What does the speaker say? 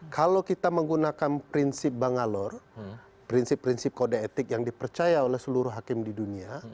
kalau kita menggunakan prinsip bangalor prinsip prinsip kode etik yang dipercaya oleh seluruh hakim di dunia